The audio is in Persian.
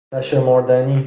نشمردنی